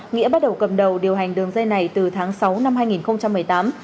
nghĩa bắt đầu cầm đầu điều hành đường dây này từ tháng sáu năm hai nghìn một mươi tám